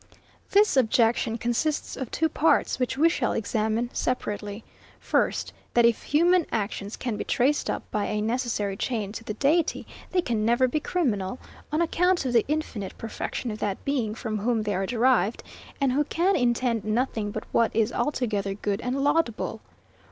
This objection consists of two parts, which we shall examine separately; First, that, if human actions can be traced up, by a necessary chain, to the Deity, they can never be criminal; on account of the infinite perfection of that Being from whom they are derived, and who can intend nothing but what is altogether good and laudable.